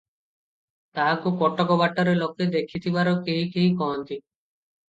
ତାହାକୁ କଟକ ବାଟରେ ଲୋକେ ଦେଖିଥିବାର କେହି କେହି କହନ୍ତି ।